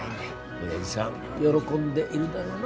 おやじさん喜んでいるだろうな。